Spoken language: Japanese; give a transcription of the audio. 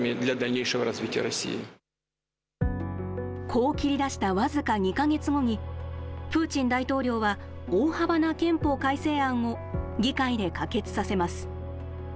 こう切り出した僅か２か月後に、プーチン大統領は、大幅な憲法改正案を議会で可決させます。